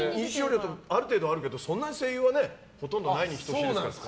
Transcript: ある程度はあるけどそんなに声優はほとんどないに等しい。